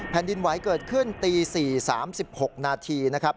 แผ่นดินไหวเกิดขึ้นตี๔๓๖นาทีนะครับ